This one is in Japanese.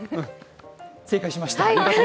正解しました。